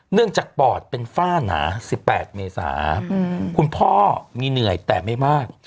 จากปอดเป็นฝ้าหนา๑๘เมษาคุณพ่อมีเหนื่อยแต่ไม่มาก